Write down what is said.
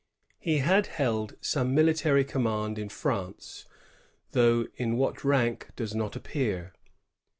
He had held some military command in France, though in .what rank does not appear.